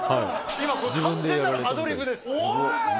今これ、完全なるアドリブでおい！